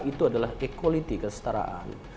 itu adalah equality kesetaraan